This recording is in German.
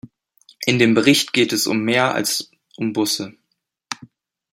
In dem Bericht geht es um mehr als um Busse.